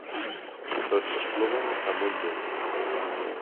Tots s'espluguen amb un llum.